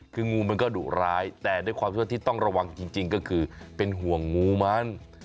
คืองูมันก็ดุร้ายแต่ด้วยความที่ว่าที่ต้องระวังจริงก็คือเป็นห่วงงูมัน